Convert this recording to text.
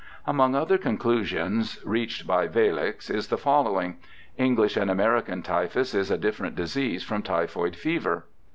Among other conclusions reached by Valleix IS the following :" English and American typhus is a different disease from typhoid fever."